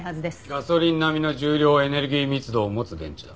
ガソリン並みの重量エネルギー密度を持つ電池だ。